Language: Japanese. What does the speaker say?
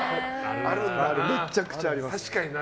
めちゃくちゃあります。